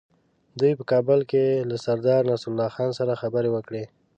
دوی په کابل کې له سردار نصرالله خان سره خبرې وکړې.